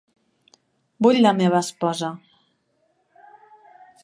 Vull la meva esposa.